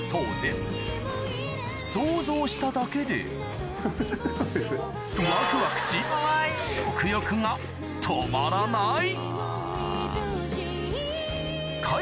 もちろん想像しただけでワクワクし食欲が止まらない